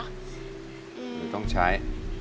คือต้องใช้